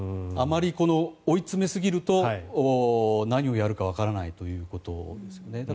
あまり追い詰めすぎると何をやるかわからないということですよね。